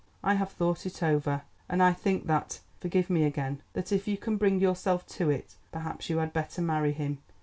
I have thought it over, and I think that—forgive me again—that if you can bring yourself to it, perhaps you had better marry him.